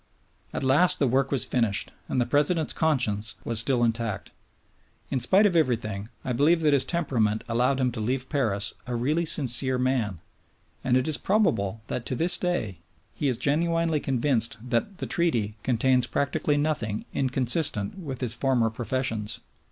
At last the work was finished; and the President's conscience was still intact. In spite of everything, I believe that his temperament allowed him to leave Paris a really sincere man; and it is probable that to this day he is genuinely convinced that the Treaty contains practically nothing inconsistent with his former professions.